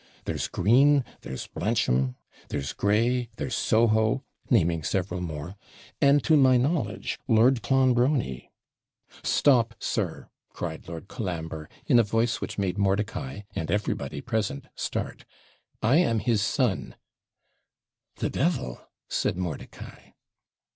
There's Green there's Blancham there's Gray there's Soho naming several more and, to my knowledge, Lord Clonbrony ' 'Stop, sir,' cried Lord Colambre in a voice which made Mordicai, and everybody present, start 'I am his son ' 'The devil!' said Mordicai.